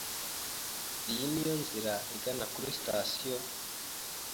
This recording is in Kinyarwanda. Iyi niyo nzira igana kuri sitasiyo?